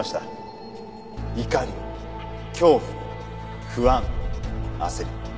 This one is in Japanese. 怒り恐怖不安焦り。